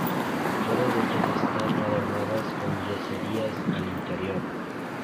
Todas ellas están adornadas con yeserías al interior.